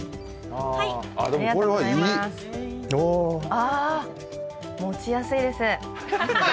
あー、持ちやすいです。